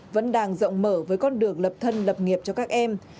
vẫn đang rộng mở với con đường lập thân lập nghiệp cho các em